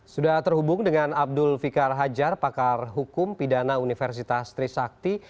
sudah terhubung dengan abdul fikar hajar pakar hukum pidana universitas trisakti